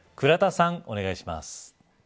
倉田さん、お願いします。